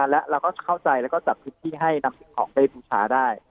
แล้วก็จะเข้าใจแล้วก็จับพื้นที่ให้นำออกไปถูกชาได้